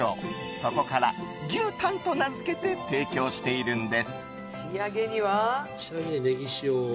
そこから、牛タンと名付けて提供してるんです。